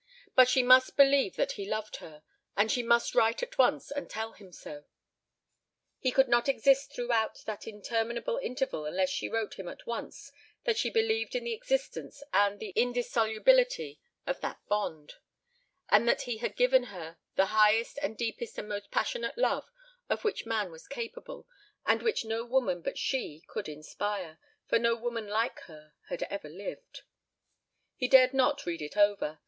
But she must believe that he loved her and she must write at once and tell him so. He could not exist throughout that interminable interval unless she wrote him at once that she believed in the existence and the indissolubility of that bond, and that he had given her the highest and deepest and most passionate love of which man was capable, and which no woman but she could inspire, for no woman like her had ever lived. He dared not read it over.